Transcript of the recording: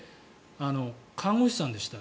看護師さんでした。